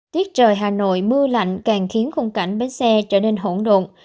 tiết trời hà nội mưa lạnh càng khiến khung cảnh bến xe trở nên hỗn độn